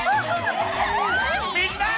みんな！